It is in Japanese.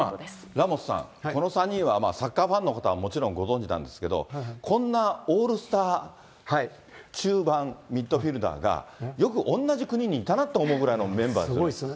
ラモスさん、この３人はサッカーファンの方はもちろん、ご存じなんですけれども、こんなオールスター、中盤、ミッドフィールダーが、よく同じ国にいたなと思うぐらいのメンバーですよね。